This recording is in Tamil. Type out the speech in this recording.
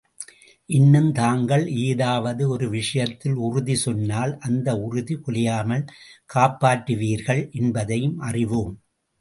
இன்னும் தாங்கள் ஏதாவது ஒரு விஷயத்தில் உறுதி சொன்னால் அந்த உறுதி குலையாமல் காப்பாற்றுவீர்கள் என்பதையும் அறிவோம்.